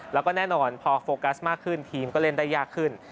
แล้วก็แน่นอนพอโฟกัสมากขึ้นทีมก็เล่นได้ยากขึ้น